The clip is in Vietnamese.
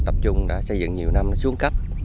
tập trung đã xây dựng nhiều năm xuống cấp